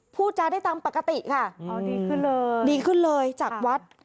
พูดจาได้ตามปกติค่ะอ๋อดีขึ้นเลยดีขึ้นเลยจากวัด